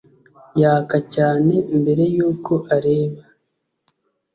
Yaka cyane mbere yuko areba